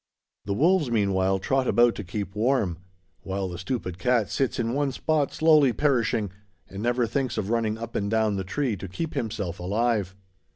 The wolves meanwhile trot about to keep warm; while the stupid cat sits in one spot slowly perishing, and never thinks of running up and down the tree to keep himself alive.